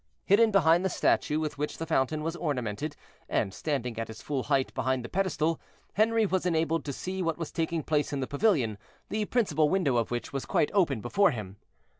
Hidden behind the statue with which the fountain was ornamented, and standing at his full height behind the pedestal, Henri was enabled to see what was taking place in the pavilion, the principal window of which was quite open before him.